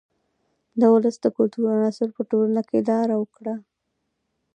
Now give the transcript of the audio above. د ولس د کلتور عناصرو په ټولنه کې لار وکړه.